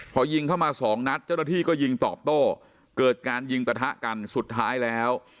พอยิงเข้ามาสองนัดเจ้าหน้าที่ก็ยิงตอบโต้เกิดการยิงปะทะกันสุดท้ายแล้ว